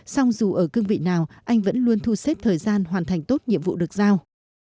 song dù ở cương vị nào anh vẫn luôn thu xếp thời gian hoàn thành tốt nhiệm vụ được giao